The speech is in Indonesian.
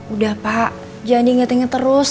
udah pak jangan diingetin terus